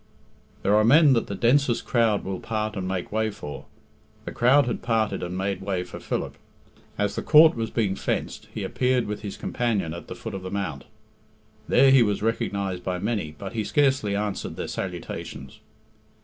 There are men that the densest crowd will part and make way for. The crowd had parted and made way for Philip. As the court was being "fenced," he appeared with his companion at the foot of the mount. There he was recognised by many, but he scarcely answered their salutations.